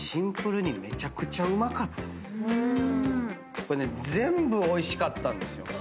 これね全部おいしかったんですよ。